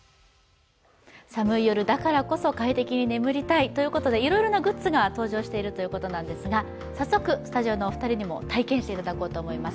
寒い夜だからこそ快適に眠りたいということでいろいろなグッズが登場しているということですが、早速スタジオのお二人にも体験していただこうと思います。